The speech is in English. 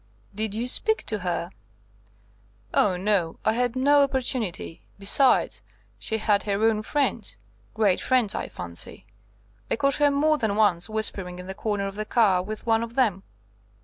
"Did you speak to her?" "Oh, no. I had no opportunity. Besides, she had her own friends great friends, I fancy. I caught her more than once whispering in the corner of the car with one of them."